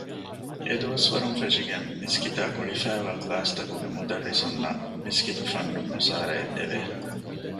އެދުވަސްވަރުން ފެށިގެން މިސްކިތްތަކާ ގުޅިފައިވާ ކްލާސްތަކުގެ މުދައްރިސުންނަށް މިސްކިތު ފަންޑުން މުސާރައެއް ދެވެ